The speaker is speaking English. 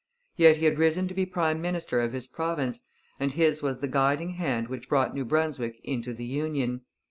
Yet he had risen to be prime minister of his province; and his was the guiding hand which brought New Brunswick into the union.